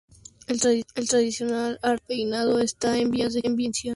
El tradicional arte del peinado está en vías de extinción.